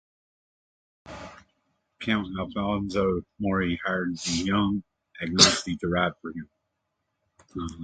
Count Alfonso Morini hired the young Agostini to ride for him.